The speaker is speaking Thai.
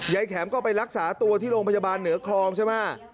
แข็มก็ไปรักษาตัวที่โรงพยาบาลเหนือคลองใช่ไหม